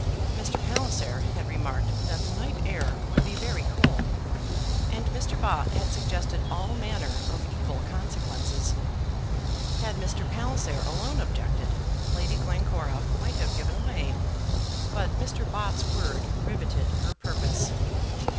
Mr. Palliser had remarked that the night air would be very cold, and Mr. Bott had suggested all manner of evil consequences. Had Mr. Palliser alone objected, Lady Glencora might have given way, but Mr. Bott's word riveted her purpose.